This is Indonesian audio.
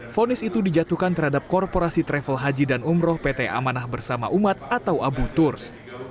fonis itu dijatuhkan terhadap korporasi travel haji dan umroh pt amanah bersama umat atau abu turs